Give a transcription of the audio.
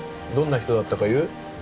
どんな人だったか言う？